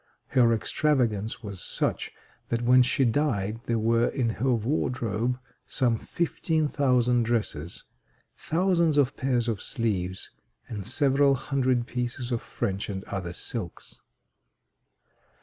Her extravagance was such that when she died there were in her wardrobe some fifteen thousand dresses, thousands of pairs of sleeves, and several hundred pieces of French and other silks.